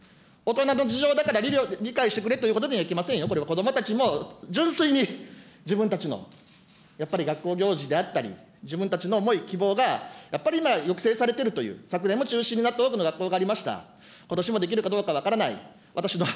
大人の事情だから理解してくれというわけにはいきませんよ、これは、子どもたちも、純粋に自分たちのやっぱり学校行事であったり、自分たちの思い、希望が、やっぱり今、抑制されてるという、昨年も中止になった多くの学校がありました。